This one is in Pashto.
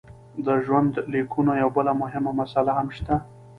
د ژوندلیکونو یوه بله مهمه مساله هم شته.